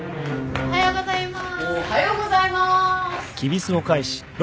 おはようございます。